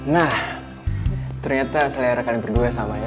nah ternyata selera kami berdua sama ya